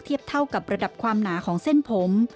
เท่ากับระดับความหนาของเส้นผม